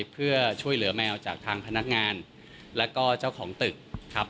เพื่อช่วยเหลือแมวจากทางพนักงานแล้วก็เจ้าของตึกครับ